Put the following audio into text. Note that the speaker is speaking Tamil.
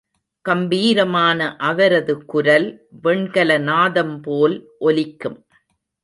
கம்பீரமான அவரது குரல் வெண்கல நாதம்போல் ஒலிக்கும்.